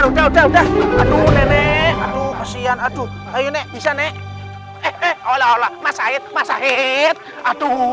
ya udah udah udah aduh nenek aduh kesian aduh ayo nek bisa nek eh olah mas said mas said aduh